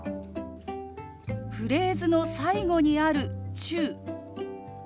フレーズの最後にある「中」。